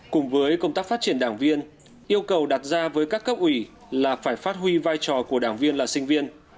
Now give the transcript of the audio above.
cùng với công tác phát triển đảng viên yêu cầu đặt ra với các cấp ủy là phải phát huy vai trò của đảng viên là sinh viên